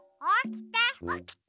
おきて！